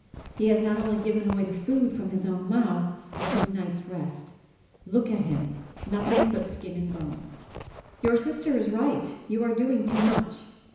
He has not only given away the food from his own mouth, but his night's rest. Look at him, nothing but skin and bone!" "Your sister is right, you are doing too much.